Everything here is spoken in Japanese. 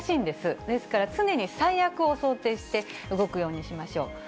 ですから、常に最悪を想定して動くようにしましょう。